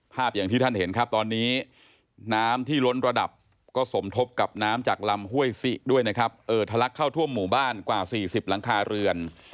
อย่างที่ท่านเห็นครับตอนนี้น้ำที่ล้นระดับก็สมทบกับน้ำจากลำห้วยซิด้วยนะครับเอ่อทะลักเข้าท่วมหมู่บ้านกว่า๔๐หลังคาเรือน